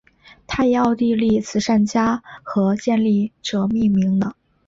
它以奥地利慈善家和建立者命名的。